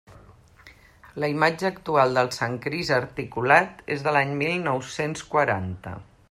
La imatge actual del Sant Crist articulat és de l'any mil nou-cents quaranta.